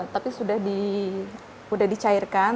tapi sudah dicairkan